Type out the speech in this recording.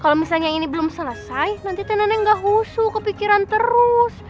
kalau misalnya ini belum selesai nanti teh nenek gak husu kepikiran terus